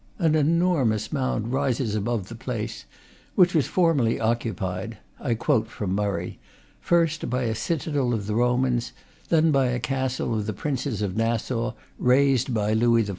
An enormous mound rises above the place, which was formerly occupied I quote from Murray first by a citadel of the Romans, then by a castle of the princes of Nassau, razed by Louis XIV.